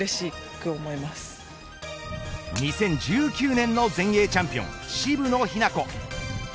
２０１９年の全英チャンピオン渋野日向子。